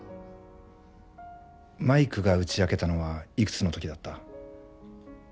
マイクが打ち明けたのはいくつの時だった？